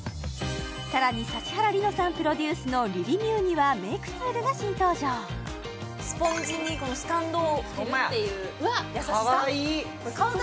さらに指原莉乃さんプロデュースのＲｉｒｉｍｅｗにはメイクツールが新登場スポンジにスタンドを付けるっていう優しさかわいい！